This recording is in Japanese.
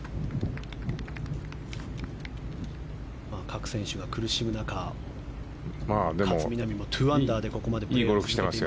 各選手が苦しむ中勝みなみも２アンダーでここまで来ています。